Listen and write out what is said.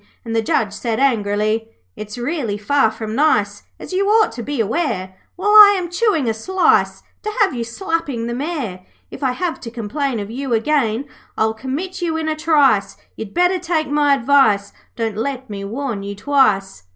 and the Judge said, angrily 'It's really far from nice, As you ought to be aware, While I am chewing a slice, To have you slapping the Mayor. If I have to complain of you again I'll commit you in a trice, You'd better take my advice; Don't let me warn you twice.'